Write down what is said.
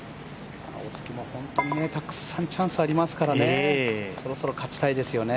本当にたくさんチャンスありますからね、そろそろ勝ちたいですよね。